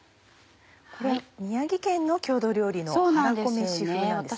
これ宮城県の郷土料理のはらこめし風なんですね。